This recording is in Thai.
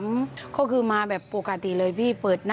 เค้ามีพุธค่าคือมาแบบโปรกตีเลยสิ